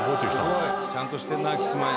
すごい！ちゃんとしてるなキスマイ。